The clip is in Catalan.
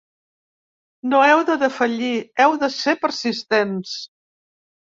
No heu de defallir, heu de ser persistents.